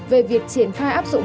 về việc triển khai áp dụng